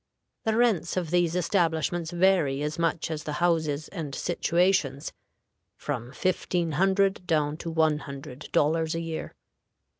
The rents of these establishments vary as much as the houses and situations (from fifteen hundred down to one hundred dollars a year).